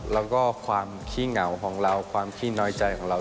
แล้วก็ความขี้เหงาของเราความขี้น้อยใจของเรา